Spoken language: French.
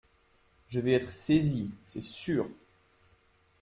Je vais être saisie, c'est sûr.